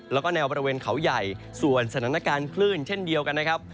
แล้วก็แนวบริเวณเขาใหญ่ส่วนสถานการณ์คลื่นเช่นเดียวกันนะครับ